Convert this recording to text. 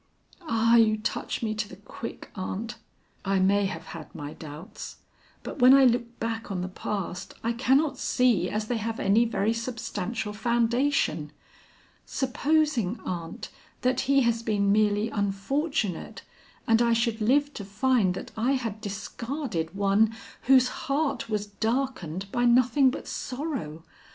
"Ah, you touch me to the quick, aunt. I may have had my doubts, but when I look back on the past, I cannot see as they have any very substantial foundation. Supposing, aunt, that he has been merely unfortunate, and I should live to find that I had discarded one whose heart was darkened by nothing but sorrow?